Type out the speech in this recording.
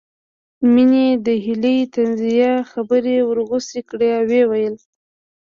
مينې د هيلې طنزيه خبرې ورغوڅې کړې او ويې ويل